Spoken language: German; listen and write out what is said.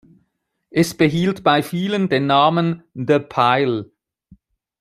Es behielt bei vielen den Namen "the Pile".